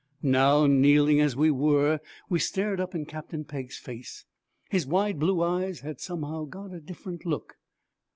Now, kneeling as we were, we stared up in Captain Pegg's face. His wide blue eyes had somehow got a different look.